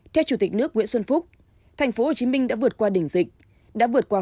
theo chủ tịch nước nguyễn xuân phúc tp hcm đã vượt qua đỉnh dịch đã vượt qua